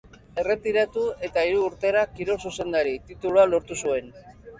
Erretiratu eta hiru urtera kirol zuzendari titulua lortu zuen.